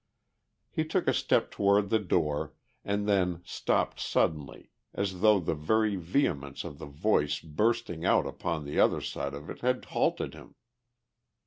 He took a step toward the door and then stopped suddenly as though the very vehemence of the voice bursting out upon the other side of it had halted him.